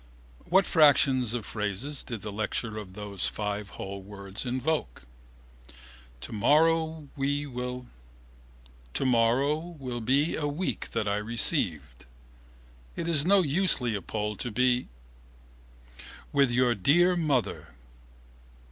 What fractions of phrases did the lecture of those five whole words evoke? Tomorrow will be a week that I received... it is no use Leopold to be ... with your dear mother...